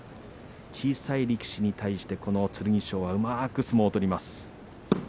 小さい力士に対して、剣翔はうまく相撲を取ります。